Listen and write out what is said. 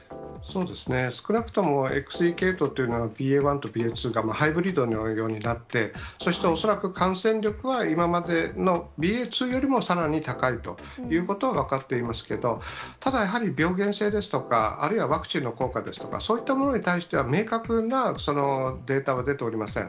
少なくともＸＥ系統というのは、ＢＡ．１とＢＡ．２がハイブリッドのようになって、そして、恐らく感染力は今までのＢＡ．２よりもさらに高いということが分かっていますけど、ただやはり病原性ですとか、あるいはワクチンの効果ですとか、そういったものに対しては明確なデータは出ておりません。